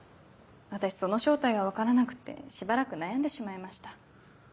私その正体が分からなくてしばらく悩んでしまいました。